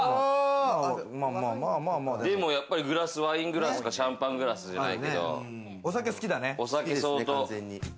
でもやっぱりワイングラスとかシャンパングラスじゃないけどお酒相当。